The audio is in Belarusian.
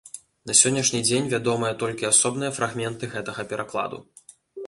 На сённяшні дзень вядомыя толькі асобныя фрагменты гэтага перакладу.